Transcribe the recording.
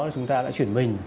chúng ta đã chuyển mình